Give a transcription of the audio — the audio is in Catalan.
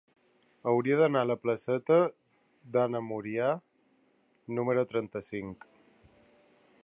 Hauria d'anar a la placeta d'Anna Murià número trenta-cinc.